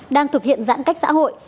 đang thực hiện giãn cách xã hội